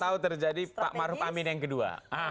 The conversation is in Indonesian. tahu terjadi pak maruf amin yang kedua